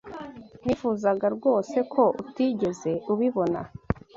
Nifuzaga rwose ko utigeze ubibona.